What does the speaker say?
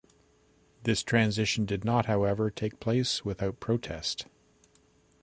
This transition did not, however, take place without protest.